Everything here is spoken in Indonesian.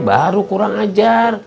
baru kurang ajar